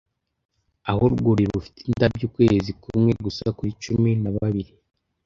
aho urwuri rufite indabyo ukwezi kumwe gusa kuri cumi na babiri